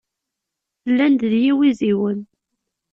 Llan-d d yiwiziwen.